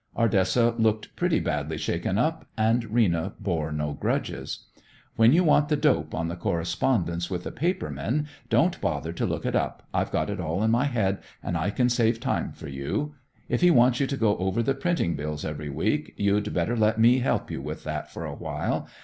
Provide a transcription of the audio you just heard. Ardessa looked pretty badly shaken up, and Rena bore no grudges. "When you want the dope on the correspondence with the paper men, don't bother to look it up. I've got it all in my head, and I can save time for you. If he wants you to go over the printing bills every week, you'd better let me help you with that for a while.